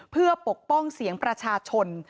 เพื่อปกป้องเสียงประชาชน